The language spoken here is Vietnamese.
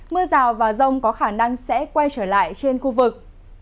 mưa rào và rông có khả năng sẽ quay trở lại trên khu vực